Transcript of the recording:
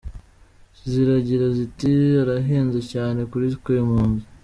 Ziragira ziti: “Arahenze cyane kuri twe impunzi.